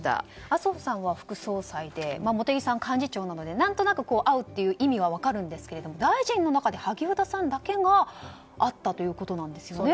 麻生さんは副総裁で茂木さんは幹事長なので何となく会う意味は分かるんですが大臣の中で萩生田さんだけが会ったということですね。